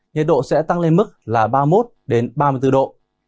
nhật độ sẽ tăng lên mức là ba mươi một đến ba mươi bốn độ